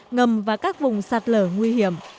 ngầm và các vùng sạt lở nguy hiểm